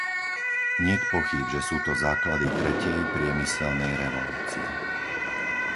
Niet pochýb, že sú to základy tretej priemyselnej revolúcie.